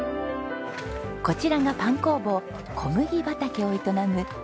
こちらがパン工房小麦畑を営む